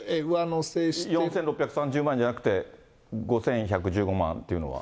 ４６３０万円じゃなくて、５１１５万っていうのは。